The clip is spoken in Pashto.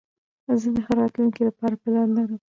زه د ښه راتلونکي له پاره پلان لرم.